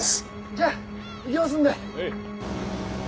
じゃあ行きますんで。